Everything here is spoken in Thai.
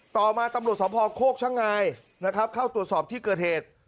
ต่อมาตำรวจสมภาพโคกชะไงเข้าตรวจสอบที่เกิดเหตุ